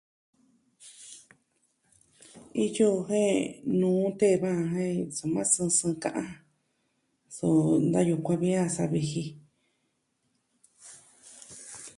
Iyo, jen nuu tee jɨn jen soma, sɨɨn sɨɨn ka'an. Suu ntayu ku a vi sa'a viji.